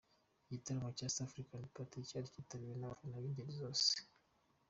Igitaramo cya East african party cyari kitabiriwe n'abafana b'ingeri zose.